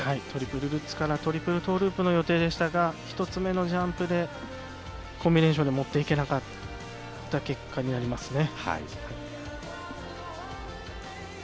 トリプルルッツからトリプルトーループの予定でしたが、１つ目のジャンプでコンビネーションに持って行けなかった結果になります。